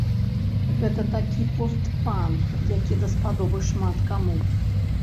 Гэта такі пост-панк, які даспадобы шмат каму.